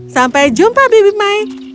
sampai jumpa baby mike